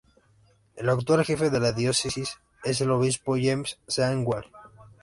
El actual jefe de la Diócesis es el Obispo James Sean Wall.